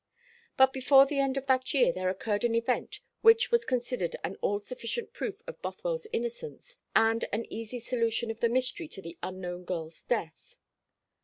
But before the end of that year there occurred an event which was considered an all sufficient proof of Bothwell's innocence, and an easy solution of the mystery of the unknown girl's death.